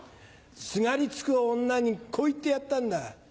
すがりつく女にこう言ってやったんだ。